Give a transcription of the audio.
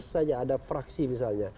saja ada fraksi misalnya